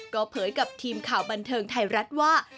ก็เผยกับทีมข่าวบันเทิงไทยรัฐว่า